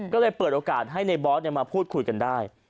ก็เลยเปิดโอกาสให้ในบอสมาพูดคุยกันได้